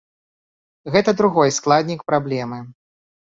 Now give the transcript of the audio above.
Гэта другой складнік праблемы.